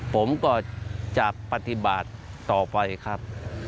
ผมก็จะปฏิบัติต่อไปครับ